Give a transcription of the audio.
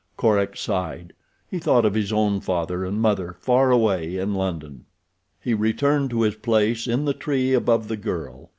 Korak sighed. He thought of his own father and mother far away in London. He returned to his place in the tree above the girl.